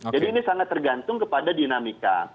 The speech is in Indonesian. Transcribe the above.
jadi ini sangat tergantung kepada dinamika